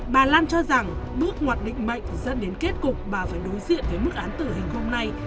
bà lan cho rằng bước ngoặt định mạnh dẫn đến kết cục bà phải đối diện với mức án tử hình hôm nay